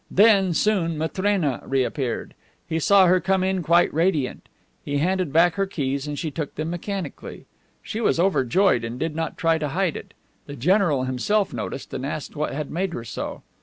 Then, soon, Matrena reappeared. He saw her come in quite radiant. He handed back her keys, and she took them mechanically. She was overjoyed and did not try to hide it. The general himself noticed it, and asked what had made her so.